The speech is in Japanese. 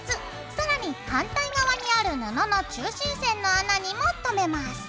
さらに反対側にある布の中心線の穴にもとめます。